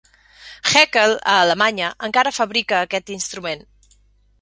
Heckel, a Alemanya, encara fabrica aquest instrument.